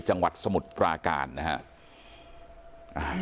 จังหวัดสมุทรปราการนะครับ